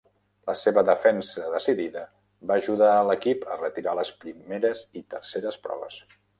La seva defensa decidida va ajudar a l'equip a retirar les primeres i terceres proves.